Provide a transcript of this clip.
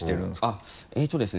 あっえっとですね